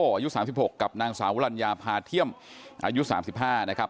อายุ๓๖กับนางสาวลัญญาพาเที่ยมอายุ๓๕นะครับ